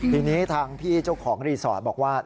ทีนี้ทางพี่เจ้าของรีสอร์ทบอกว่า